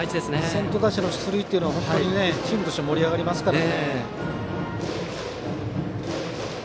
先頭打者の出塁というのはチームとして盛り上がりますから。